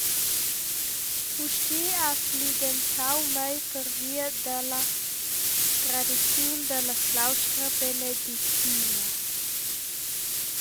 Mustér ha plidentau mei pervia dalla tradiziun dalla claustra benedictina.